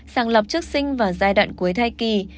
sàng lọc trước sinh vào giai đoạn cuối thai kỳ